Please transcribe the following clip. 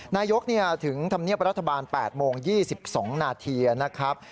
นายกถึงธรรมเนียบรัฐบาล๘โมง๒๒นาทีนะครับ